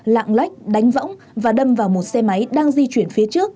lạng lách đánh võng và đâm vào một xe máy đang di chuyển phía trước